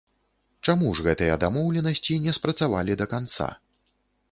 Чаму ж гэтыя дамоўленасці не спрацавалі да канца?